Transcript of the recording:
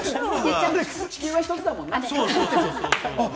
地球は一つだもんな。